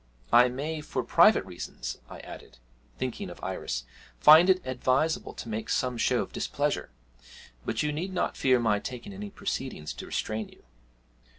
I may, for private reasons,' I added, thinking of Iris, 'find it advisable to make some show of displeasure, but you need not fear my taking any proceedings to restrain you.'